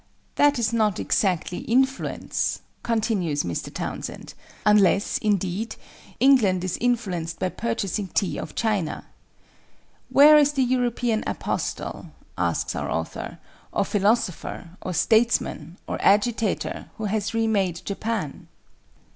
That is not exactly influence," continues Mr. Townsend, "unless, indeed, England is influenced by purchasing tea of China. Where is the European apostle," asks our author, "or philosopher or statesman or agitator who has re made Japan?"